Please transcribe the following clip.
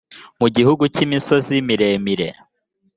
mu gihugu cy imisozi miremire